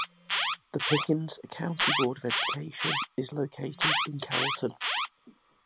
The Pickens County Board of Education is located in Carrollton.